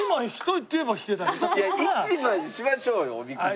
いや１枚にしましょうよおみくじ。